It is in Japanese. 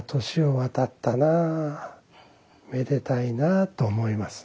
めでたいなあ」と思いますね。